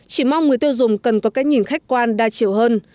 chỉ mong người tiêu dùng cần có cách nhìn khách quan đa chiều hơn